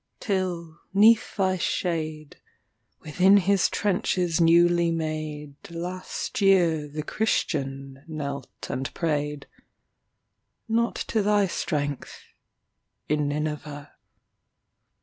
…. till 'neath thy shadeWithin his trenches newly madeLast year the Christian knelt and prayed—Not to thy strength—in Nineveh.